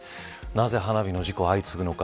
なぜ花火の事故が相次ぐのか。